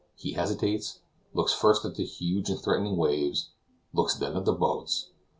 He hesitates; looks first at the huge and threatening waves; looks then at the boats.